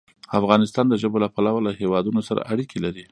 افغانستان د ژبو له پلوه له هېوادونو سره اړیکې لري.